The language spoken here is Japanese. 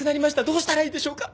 どうしたらいいでしょうか！？